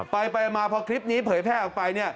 ไปมาพอคลิปนี้เผยแพร่ออกไป